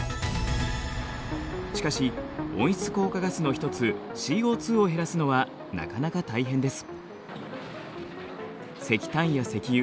しかし温室効果ガスの一つＣＯを減らすのはなかなか大変です。